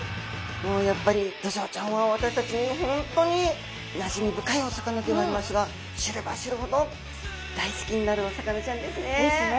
もうやっぱりドジョウちゃんは私たちに本当になじみ深いお魚ではありますが知れば知るほど大好きになるお魚ちゃんですね。ですね。